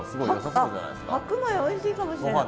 あっ白米おいしいかもしれない。